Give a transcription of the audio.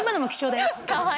かわいい。